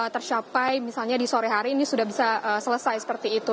tercapai misalnya di sore hari ini sudah bisa selesai seperti itu